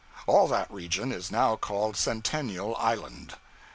All that region is now called Centennial Island.